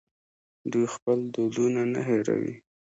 دوی خپل دودونه نه هیروي.